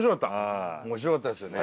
面白かったですよね。